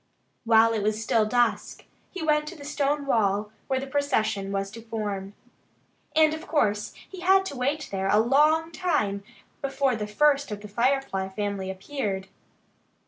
While it was still dusk he went to the stone wall where the procession was to form. And of course he had to wait there a long time before the first of the Firefly family appeared.